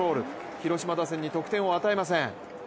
広島打線に得点を与えません。